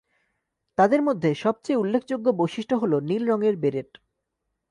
তাদের মধ্যে সবচেয়ে উল্লেখযোগ্য বৈশিষ্ট্য হলো নীল রঙের বেরেট।